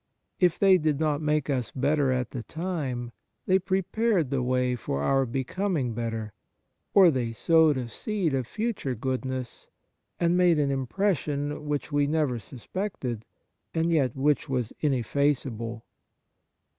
If they did not make us better at the time, they prepared the way for our becoming better, or they sowed a seed of future goodness, and made an im pression which we never suspected, and yet which was ineffaceable.